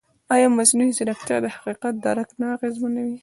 ایا مصنوعي ځیرکتیا د حقیقت درک نه اغېزمنوي؟